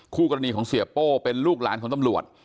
คู่กรณีของเสียโป้เป็นลูกหลานของตำรวจ